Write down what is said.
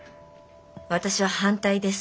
私は反対です。